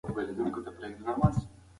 تاسو باید له بدو ملګرو ځان وساتئ.